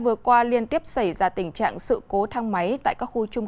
vâng xin cảm ơn